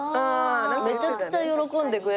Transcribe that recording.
めちゃくちゃ喜んでくれて。